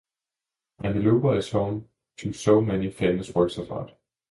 And the Louvre is home to so many famous works of art.